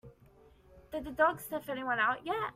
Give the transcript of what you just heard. Did the dog sniff anyone out yet?